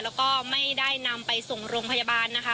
แล้วก็ไม่ได้นำไปส่งโรงพยาบาลนะคะ